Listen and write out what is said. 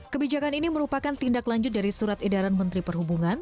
kebijakan ini merupakan tindak lanjut dari surat edaran menteri perhubungan